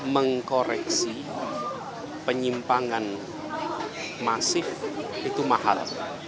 mengkoreksi penyimpangan masif itu mahal